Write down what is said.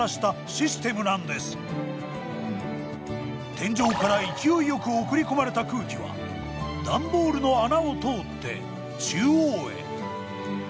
天井から勢いよく送り込まれた空気は段ボールの穴を通って中央へ。